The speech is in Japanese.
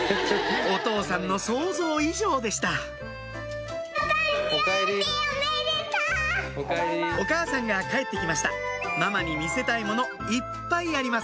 お父さんの想像以上でしたお母さんが帰って来ましたママに見せたいものいっぱいあります